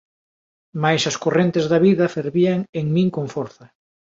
Mais as correntes da vida fervían en min con forza.